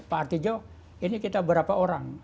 pak artijo ini kita berapa orang